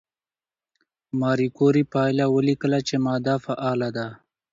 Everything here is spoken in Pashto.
ماري کوري پایله ولیکله چې ماده فعاله ده.